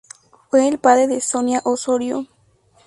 Fue el padre de Sonia Osorio.